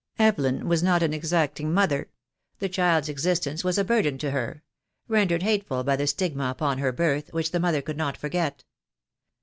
Evelyn was not an exacting mother. The child's existence was a burden to her — rendered hateful by the stigma upon her birth, which the mother could not forget.